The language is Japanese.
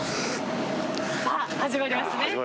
さあ始まりましたね。